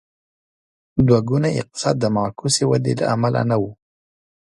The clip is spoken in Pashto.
دوه ګونی اقتصاد د معکوسې ودې له امله نه و.